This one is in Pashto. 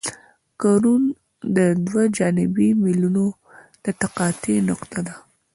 کرون د دوه جانبي میلونو د تقاطع نقطه ده